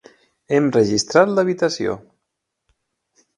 Hem registrat l'habitació.